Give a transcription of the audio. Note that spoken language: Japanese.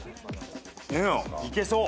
いけそう。